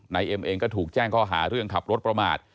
เอ็มเองก็ถูกแจ้งข้อหาเรื่องขับรถประมาท